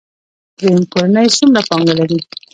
دریم کورنۍ څومره پانګه لري.